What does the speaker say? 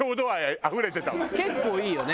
結構いいよね。